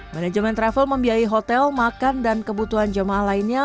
manajemen travel membiayai hotel makan dan kebutuhan jemaah lainnya